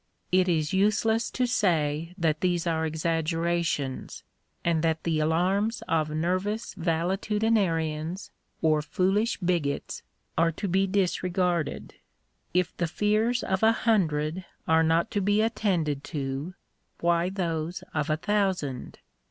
It is useless to say that these are exaggerations, and that the alarms of nervous valetudinarians or foolish bigots are to be disregarded. If the fears of a hundred are not to be attended to, why those of a thousand